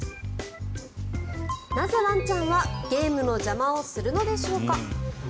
なぜワンちゃんはゲームの邪魔をするのでしょうか。